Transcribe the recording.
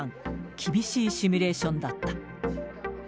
厳しいシミュレーションだった。